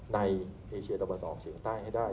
ในเอเชียตะวันออกเฉียงใต้ให้ได้